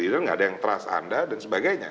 tidak ada yang mempercayai anda dan sebagainya